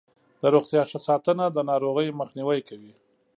د روغتیا ښه ساتنه د ناروغیو مخنیوی کوي.